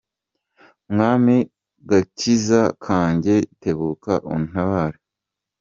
Mwami gakiza kanjye, Tebuka untabare.